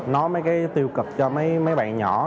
nói mấy cái tiêu cực cho mấy bạn nhỏ